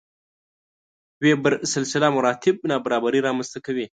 وېبر سلسله مراتب نابرابري رامنځته کوي.